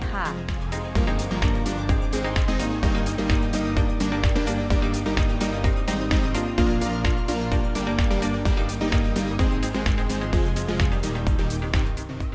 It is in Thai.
หมายเลข๑๑นางสาวชะวัญญาถนอมวงอ๋อมแอมค่ะ